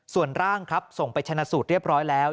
ส่วนร่างครับส่งไปชนะสูตรเรียบร้อยแล้ว